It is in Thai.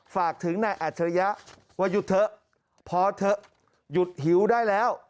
ฝากถึงนายอัจฉริยะว่าหยุดเถอะพอเถอะหยุดหิวได้แล้ว